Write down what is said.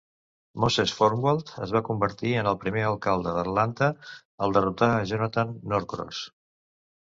Moses Formwalt es va convertir en el primer alcalde d'Atlanta al derrotar a Jonathan Norcross.